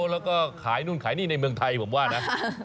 แล้วก็ขายนู่นขายนี่ในเมืองไทยผมว่านะ